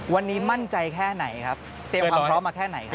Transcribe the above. วันนี้มั่นใจแค่ไหนครับเตรียมความพร้อมมาแค่ไหนครับ